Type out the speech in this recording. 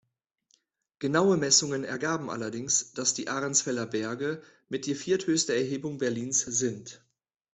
Genaue Messungen ergaben allerdings, dass die Ahrensfelder Berge mit die vierthöchste Erhebung Berlins sind.